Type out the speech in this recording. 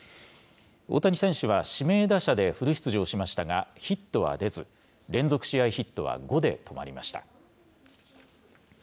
大谷選手は指名打者でフル出場しましたが、ヒットは出ず、連続試合ヒットは５で止まりました。